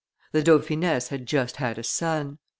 The dauphiness had just had a son.